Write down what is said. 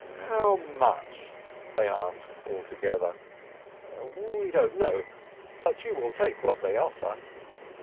"How much ?" they asked all together. "We don't know, but you will take what they offer."